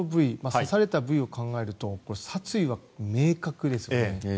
刺された部位を考えると殺意は明確です。